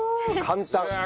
簡単。